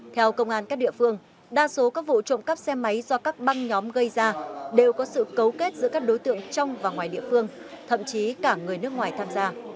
theo công an các địa phương đa số các vụ trộm cắp xe máy do các băng nhóm gây ra đều có sự cấu kết giữa các đối tượng trong và ngoài địa phương thậm chí cả người nước ngoài tham gia